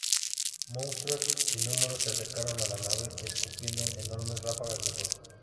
Monstruos sin número se acercaron a la nave escupiendo enormes ráfagas de fuego.